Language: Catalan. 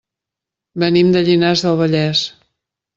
Venim de Llinars del Vallès.